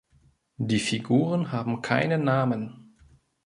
Die Figuren haben keine Namen.